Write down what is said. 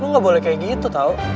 lu gak boleh kayak gitu tau